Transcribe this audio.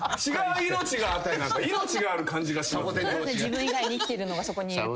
自分以外に生きてるのがそこにいると。